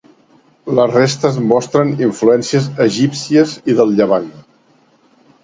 Les restes mostren influències egípcies i del llevant.